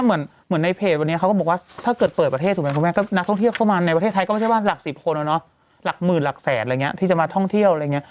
เหมือนเหมือนในเพลงว่าถ้าเกิดเปิดประเทศไม่ก็นักท่องเที่ยวเข้ามาในไทยก็ว่าหลัก๑๐คนนะหรอละหมื่นหลักแสนเลยอย๊าที่จะมาท่องเที่ยวอะไร